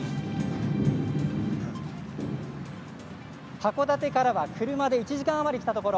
函館からは車で１時間あまり来たところ